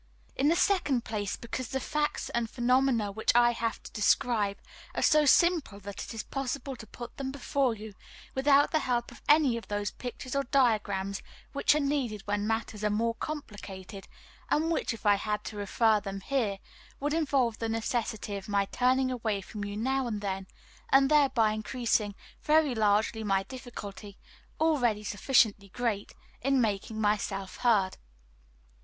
In the second place, because the facts and phenomena which I have to describe are so simple that it is possible to put them before you without the help of any of those pictures or diagrams which are needed when matters are more complicated, and which, if I had to refer to them here, would involve the necessity of my turning away from you now and then, and thereby increasing very largely my difficulty (already sufficiently great) in making myself heard.